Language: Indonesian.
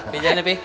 pijain deh p